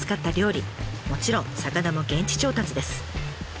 もちろん魚も現地調達です。